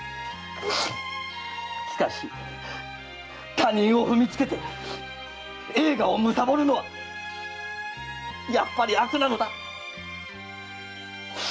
しかし他人を踏みつけて栄華をむさぼるのはやはり悪なのだ！